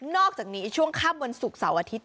อกจากนี้ช่วงค่ำวันศุกร์เสาร์อาทิตย์